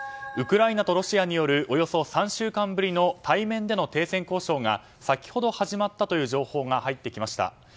ウクライナとロシアによるおよそ３週間ぶりの対面での停戦交渉が先ほど始まったという情報が入ってきました。